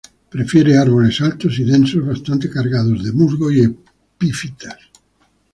Prefiere árboles altos y densos, bastante cargados de musgos y epífitas.